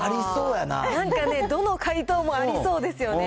なんかね、どの回答もありそうですよね。